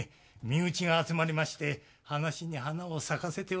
身内が集まりまして話に花を咲かせておりました。